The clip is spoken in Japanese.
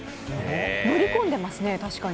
乗り込んでますね、確かに。